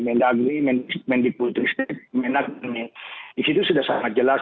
mendagri mendiputrisik menagmi disitu sudah sangat jelas